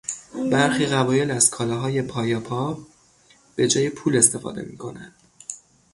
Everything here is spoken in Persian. برخی قبایل از کالاهای پایاپا به جای پول استفاده میکنند.